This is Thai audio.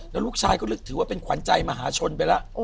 แล้วลูกชายก็นึกถือว่าเป็นขวัญใจมหาชนไปแล้ว